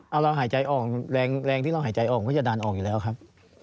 เอาเราหายใจออกแรงที่เราหายใจออกก็จะดันออกอยู่แล้วครับ